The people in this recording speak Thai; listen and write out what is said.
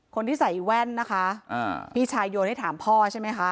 คนที่ใส่แว่นนะคะพี่ชายโยนให้ถามพ่อใช่ไหมคะ